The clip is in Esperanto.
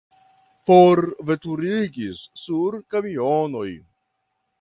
Forveturigis sur kamionoj.